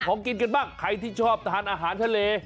กินกันบ้างใครที่ชอบทานอาหารทะเล